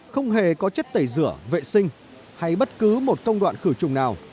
không hề có chất tẩy rửa vệ sinh hay bất cứ một công đoạn khử trùng nào